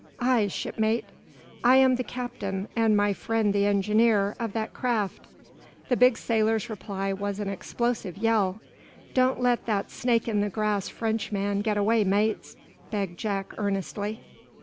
"Aye, shipmate." "I am the captain, and my friend the engineer, of that craft." The big sailor's reply was an explosive yell. "Don't let that snake in the grass Frenchman get away, mates," begged Jack, earnestly.